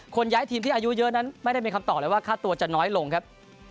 ย้ายทีมที่อายุเยอะนั้นไม่ได้มีคำตอบเลยว่าค่าตัวจะน้อยลงครับ